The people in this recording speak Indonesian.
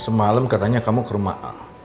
semalam katanya kamu ke rumah a